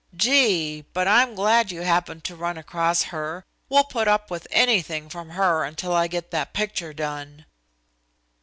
Gee! but I'm glad you happened to run across her. We'll put up with anything from her until I get that picture done."